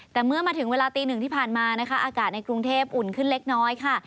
แต่เมื่อมาถึงเวลาตีหนึ่งที่ผ่านมานะคะอากาศในกรุงเทพอุ่นขึ้นเล็กน้อยค่ะ